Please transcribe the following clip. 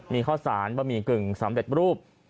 มีข้าวซานบะหมี่กลึ่ง๓เด็ดรูป